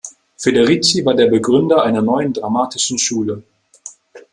Federici war der Begründer einer neuen dramatischen Schule.